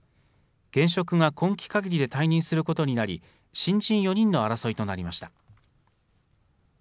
現職が今期かぎりで退任することになり、新人４人の争いとなりました。